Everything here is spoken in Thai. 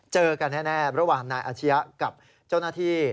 เจอกันแน่ระหว่างนายอาชียะกับเจ้าหน้าที่